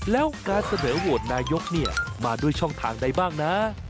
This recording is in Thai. แล้วการเสนอโหวตนายกเนี่ยมาด้วยช่องทางใดบ้างนะ